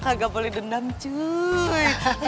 kagak boleh dendam cuy